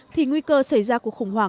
thì nguy cơ xảy ra của khủng hoảng